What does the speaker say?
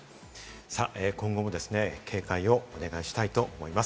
今後も警戒をお願いしたいと思います。